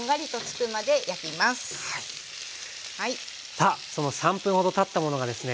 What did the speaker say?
さあその３分ほどたったものがですね